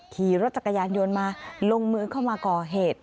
ขี่รถจักรยานยนต์มาลงมือเข้ามาก่อเหตุ